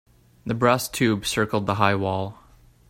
The brass tube circled the high wall.